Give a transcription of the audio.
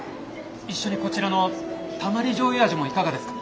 一緒にこちらのたまり醤油味もいかがですか？